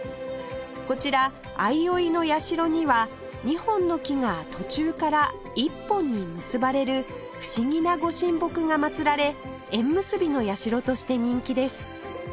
こちら相生社には２本の木が途中から１本に結ばれる不思議な御神木がまつられ縁結びの社として人気です